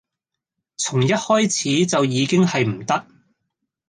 從一開始就已經係唔得